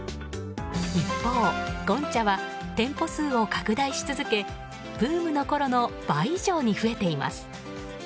一方、ゴンチャは店舗数を拡大し続けブームのころの倍以上に増えています。